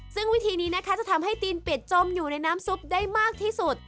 ซึ่งวิธีนี้นะคะจะทำให้ตีนเป็ดจมอยู่ในน้ำซุปได้มากที่สุด